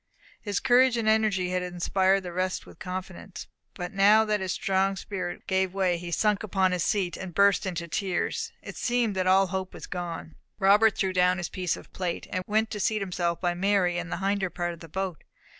His courage and energy had inspired the rest with confidence. But now that his strong spirit gave way, and he sunk upon his seat, and burst into tears, it seemed that all hope was gone. Robert threw down his piece of plate, and went to seat himself by Mary, in the hinder part of the boat.